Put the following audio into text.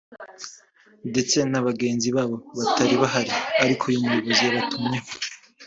ndetse na bagenzi babo batari bahari ariko uyu muyobozi yabatumyeho